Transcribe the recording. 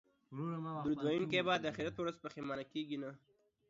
درود ویونکی به د اخرت په ورځ نه پښیمانه کیږي